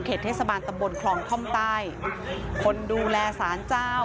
เทศบาลตำบลคลองท่อมใต้คนดูแลสารเจ้า